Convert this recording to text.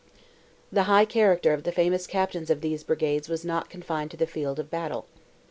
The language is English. The high character of the famous captains of these brigades was not confined to the field of battle.